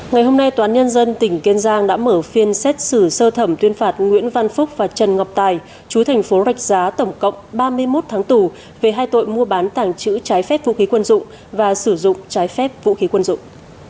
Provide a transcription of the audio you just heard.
ngày hôm nay toán nhân dân tỉnh kiên giang đã mở phiên xét xử sơ thẩm tuyên phạt nguyễn văn phúc và trần ngọc tài chú thành phố rạch giá tổng cộng ba mươi một tháng tù về hai tội mua bán tàng trữ trái phép vũ khí quân dụng và sử dụng trái phép vũ khí quân dụng